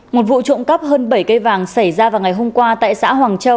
một vụ trộm cắp hơn bảy cây vàng xảy ra vào ngày hôm qua tại xã hoàng châu